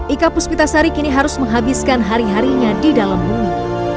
ika puspitasari kini harus menghabiskan hari harinya di dalam bumi